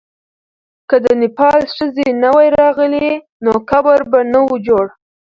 که د نېپال ښځې نه وای راغلې، نو قبر به نه وو جوړ.